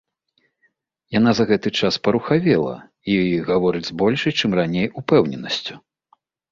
Яна за гэты час парухавела і гаворыць з большай, чым раней, упэўненасцю.